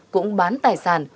cũng bán tài sản